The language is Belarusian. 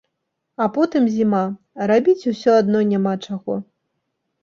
А потым зіма, рабіць усё адно няма чаго.